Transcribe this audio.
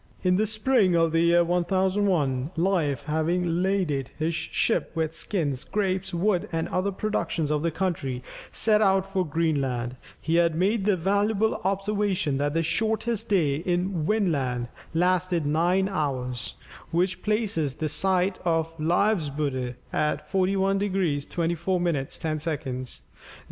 In the spring of the year 1001, Leif, having laded his ship with skins, grapes, wood, and other productions of the country, set out for Greenland; he had made the valuable observation that the shortest day in Vinland lasted nine hours, which places the site of Leifsbudir at 41 degrees 24 minutes 10 seconds.